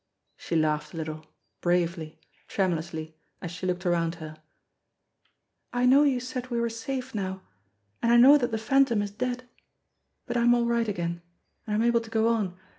She laughed a little, bravely, tremulously, as she looked around her. "I know you said we were safe now, and I know that the Phantom is dead, but I'm all right again, and I'm able to go on.